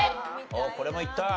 これもいった！